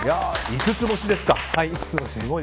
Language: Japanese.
五ツ星ですか。